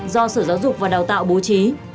do sở giáo dục và đào tạo bố trí